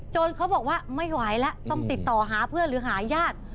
โจทย์เขาบอกว่าแบบไม่ไหวล่ะต้องติดต่อหาเพื่อนหรือหาย่าน